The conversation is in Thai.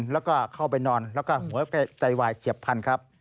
แล้วก็เข้าไปนอนแล้วก็หัวใจวายเฉียบพันธุ์ครับ